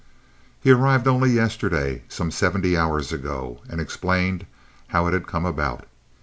"He arrived only yesterday, some seventy hours ago, and explained how it had come about.